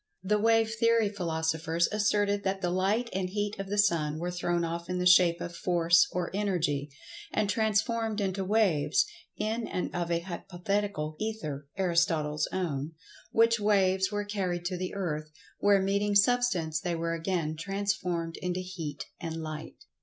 The Wave theory philosophers asserted that the Light and Heat of the Sun were thrown off in the shape of Force or Energy, and transformed into "waves" in and of a hypothetical Ether (Aristotle's own), which waves were carried to the Earth, where, meeting Substance,[Pg 99] they were again transformed into Heat and Light.